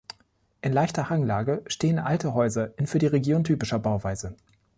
In leichter Hanglage stehen alte Häuser, in für die Region typischer Bauweise.